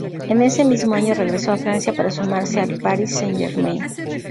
En ese mismo año regresó a Francia para sumarse al Paris Saint-Germain.